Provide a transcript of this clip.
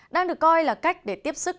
đang được coi là cách để tiếp sức